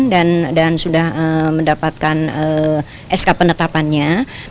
dan sudah mendapatkan sk penetapannya